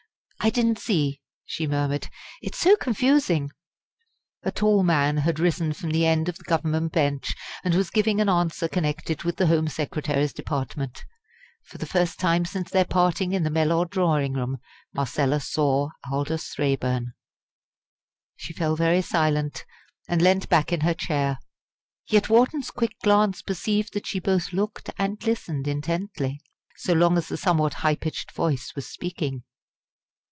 "I didn't see," she murmured; "it's so confusing." A tall man had risen from the end of the Government bench, and was giving an answer connected with the Home Secretary's department. For the first time since their parting in the Mellor drawing room Marcella saw Aldous Raeburn. She fell very silent, and leant back in her chair. Yet Wharton's quick glance perceived that she both looked and listened intently, so long as the somewhat high pitched voice was speaking.